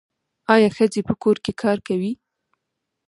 آیا ښځې په کور کې کار کوي؟